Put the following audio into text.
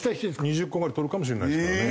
２０個ぐらい取るかもしれないですからね。